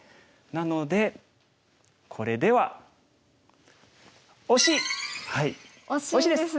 なのでこれでは惜しいですね。